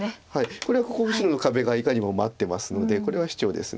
これはここの白の壁がいかにも待ってますのでこれはシチョウです。